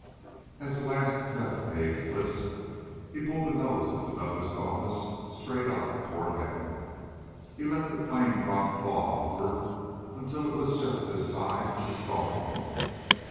As the last left Dave's lips he pulled the nose of the Douglass Dauntless straight up toward Heaven. He let the plane prop claw upward until it was just this side of the stalling point.